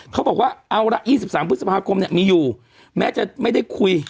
เขาบอกว่าเอาละ๒๓พฤษภาคมมีอยู่แม้จะไม่ได้คุย